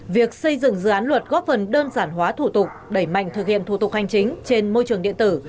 việc xây dựng dự án luật góp phần đơn giản hóa thủ tục đẩy mạnh thực hiện thủ tục hành chính trên môi trường điện tử